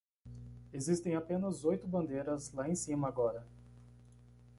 Existem apenas oito bandeiras lá em cima agora.